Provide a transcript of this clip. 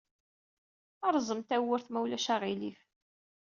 Rẓem tawwurt, ma ulac aɣilif.